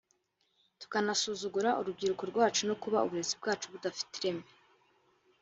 tukanasuzugura urubyiruko rwacu no kuba uburezi bwacu budafite ireme